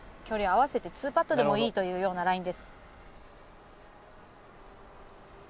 距離を合わせてツーパットでもいいというようなラインです。